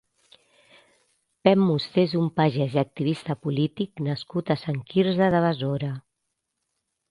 Pep Musté és un pagès i activista polític nascut a Sant Quirze de Besora.